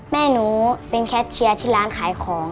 แม่หนูเป็นแคทเชียร์ที่ร้านขายของ